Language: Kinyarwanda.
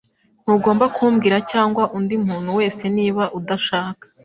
Ntugomba kumbwira cyangwa undi muntu wese niba udashaka